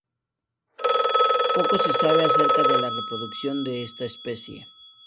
Poco se sabe acerca de la reproducción de esta especie.